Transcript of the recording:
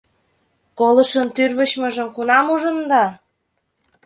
Колышын тӱрвычмыжым кунам ужында?